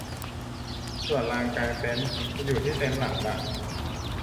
ส่วนลานกางเต็นท์จะอยู่ที่เต็นท์หลังละ